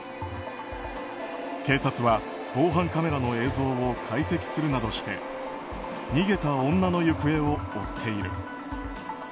警察は防犯カメラの映像を解析するなどして逃げた女の行方を追っている。